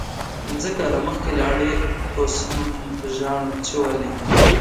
پنځه کاله مخکې لاړی اوس هم ژاړم چی ولې